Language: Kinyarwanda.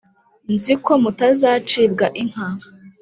nzi ko mutazacibwa inka: